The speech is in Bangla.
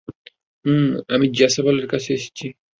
উম, আমি জ্যাসাবেলের কাছে এসেছি।